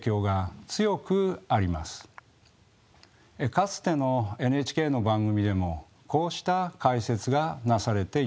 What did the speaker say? かつてのＮＨＫの番組でもこうした解説がなされています。